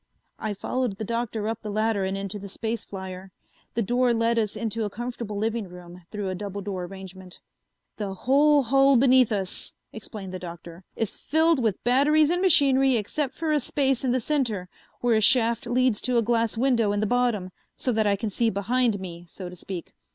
I followed the Doctor up the ladder and into the space flier. The door led us into a comfortable living room through a double door arrangement. "The whole hull beneath us," explained the Doctor, "is filled with batteries and machinery except for a space in the center, where a shaft leads to a glass window in the bottom so that I can see behind me, so to speak.